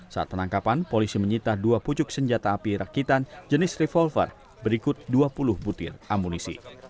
saat penangkapan polisi menyita dua pucuk senjata api rakitan jenis revolver berikut dua puluh butir amunisi